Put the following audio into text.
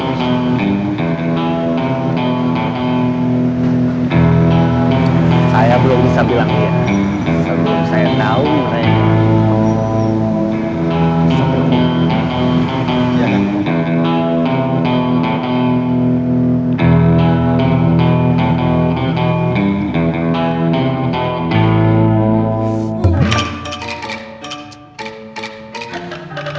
hai selalu saya tahu ya hai saya terlalu percaya sama kamu waktu ngerekrut orang orang